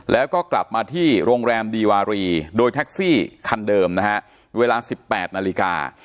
แล้วก็กลับมาที่โรงแรมดีวารีโดยแท็กซี่คันเดิมนะฮะเวลา๑๘นาฬิกา